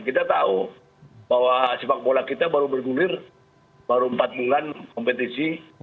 kita tahu bahwa sepak bola kita baru bergulir baru empat bulan kompetisi